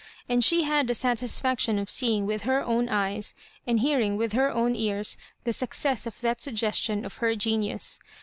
And she had the satis&ction of seeing with her own eyes and hearing with her own ears the success of that suggestion of her genius.